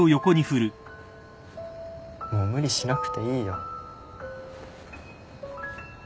もう無理しなくていいよ。